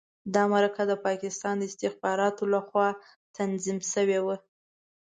دا مرکه د پاکستان د استخباراتو لخوا تنظیم شوې وه.